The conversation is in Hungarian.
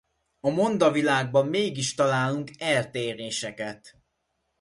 A mondavilágban mégis találunk eltéréseket.